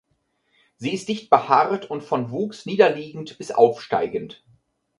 Sie ist dicht behaart und von Wuchs niederliegend bis aufsteigend.